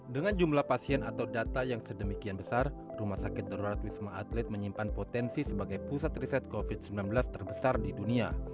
dengan jumlah pasien atau data yang sedemikian besar rumah sakit darurat wisma atlet menyimpan potensi sebagai pusat riset covid sembilan belas terbesar di dunia